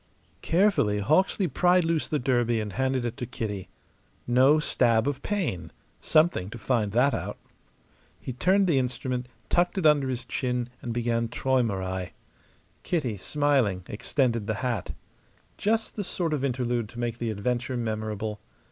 Carefully Hawksley pried loose his derby and handed it to Kitty. No stab of pain; something to find that out. He turned the instrument, tucked it under his chin and began "Traumerei." Kitty, smiling, extended the hat. Just the sort of interlude to make the adventure memorable.